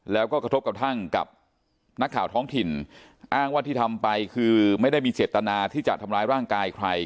แล้วก็กระทบกระทั่งกับนักข่าวท้องถิ่นอ้างว่าที่ทำไปคือไม่ได้มีเจตนาที่จะทำร้ายร่างกายใคร